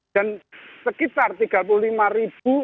dan sekitar tiga puluh lima